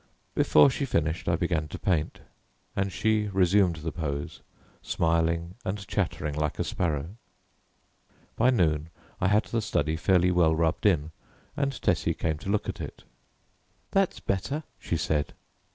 Before she finished I began to paint, and she resumed the pose, smiling and chattering like a sparrow. By noon I had the study fairly well rubbed in and Tessie came to look at it. "That's better," she said.